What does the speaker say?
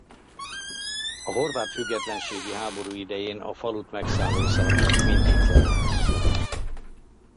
A horvát függetlenségi háború idején a falut megszálló szerbek mindent leromboltak.